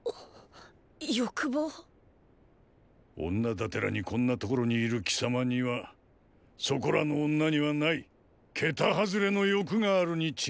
欲望⁉女だてらにこんな所にいる貴様にはそこらの女にはないケタ外れの“欲”があるに違いない。